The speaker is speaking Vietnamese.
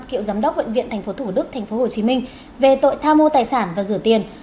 cựu giám đốc bệnh viện tp thủ đức tp hcm về tội tham mô tài sản và rửa tiền